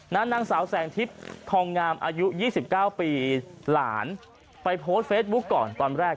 นางสาวแสงทิพย์ทองงามอายุ๒๙ปีหลานไปโพสต์เฟซบุ๊คก่อนตอนแรก